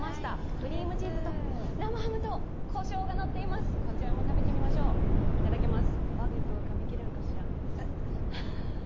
クリームチーズと生ハムとこしょうがのっています、こちらも食べていきましょういただきます。